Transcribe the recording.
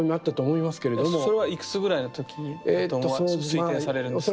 それはいくつぐらいの時だと推定されるんですか？